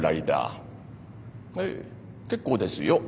ええ結構ですよ。